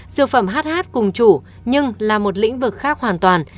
dược phẩm hh cùng chủ nhưng là một lĩnh vực khác hoàn toàn